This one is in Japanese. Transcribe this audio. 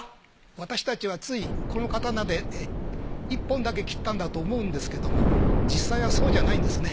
私たちはついこの刀で１本だけ斬ったんだと思うんですけども実際はそうじゃないんですね。